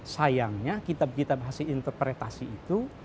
sayangnya kitab kitab hasil interpretasi itu